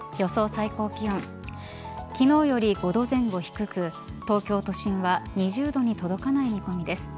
最高気温昨日より５度前後低く東京都心は２０度に届かない見込みです。